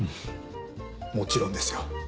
もちろんですよ。